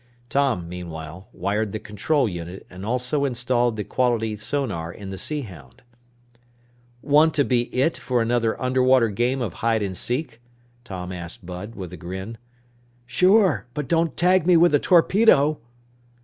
Tom, meanwhile, wired the control unit and also installed the analyzer sonar in the Sea Hound. "Want to be 'It' for another underwater game of hide and seek?" Tom asked Bud with a grin. "Sure, but don't tag me with a torpedo!"